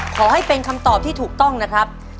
ขอให้เป็นคำตอบที่ถูกต้องนะครับ